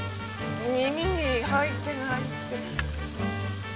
耳に入ってないって。